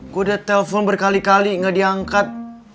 gua udah telpon berkali kali ga diangkat